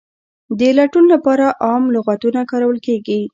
د لټون لپاره عام لغتونه کارول کیږي.